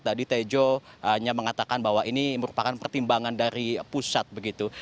tadi tejo hanya mengatakan bahwa ini merupakan pertimbangan dari pusat begitu